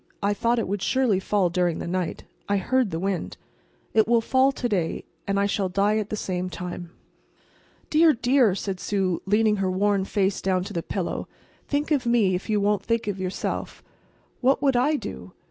"I thought it would surely fall during the night. I heard the wind. It will fall to day, and I shall die at the same time." "Dear, dear!" said Sue, leaning her worn face down to the pillow, "think of me, if you won't think of yourself. What would I do?"